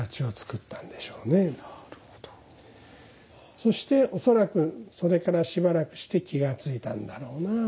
そして恐らくそれからしばらくして気がついたんだろうなあ。